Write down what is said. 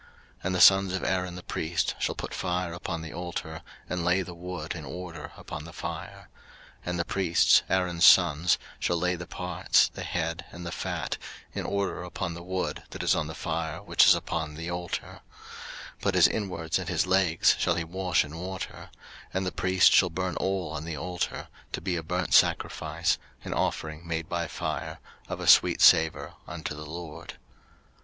03:001:007 And the sons of Aaron the priest shall put fire upon the altar, and lay the wood in order upon the fire: 03:001:008 And the priests, Aaron's sons, shall lay the parts, the head, and the fat, in order upon the wood that is on the fire which is upon the altar: 03:001:009 But his inwards and his legs shall he wash in water: and the priest shall burn all on the altar, to be a burnt sacrifice, an offering made by fire, of a sweet savour unto the LORD.